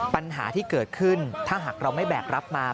ปัญหาที่เกิดขึ้นถ้าหากเราไม่แบกรับมา